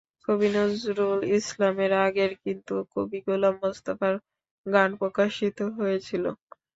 কবি নজরুল ইসলামের আগেই কিন্তু কবি গোলাম মোস্তফার গান প্রকাশিত হয়েছিল।